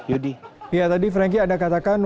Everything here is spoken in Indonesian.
yudi ya tadi franky anda katakan